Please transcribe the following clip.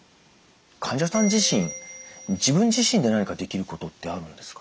患者さん自身自分自身で何かできることってあるんですか？